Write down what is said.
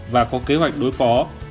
và có kế hoạch đối phó